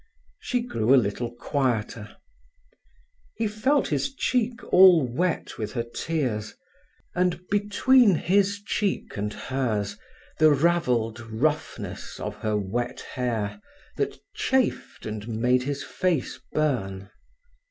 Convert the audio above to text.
She grew a little quieter. He felt his cheek all wet with her tears, and, between his cheek and hers, the ravelled roughness of her wet hair that chafed and made his face burn.